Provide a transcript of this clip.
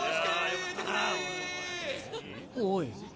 おい。